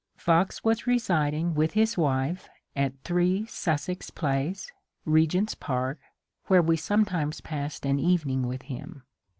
Fox was residing with his wife at 8 Sussex Place, Regent's Park, where we sometimes passed an evening with him.